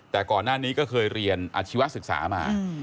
แต่ก่อนหน้านี้ก็เคยเรียนอาชีวศึกษามา